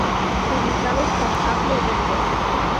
Publicados con Apple Records.